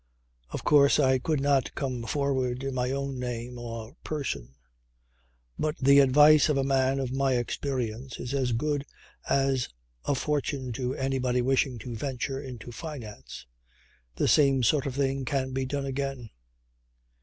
"Of course I could not come forward in my own name, or person. But the advice of a man of my experience is as good as a fortune to anybody wishing to venture into finance. The same sort of thing can be done again."